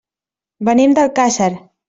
Venim d'Alcàsser.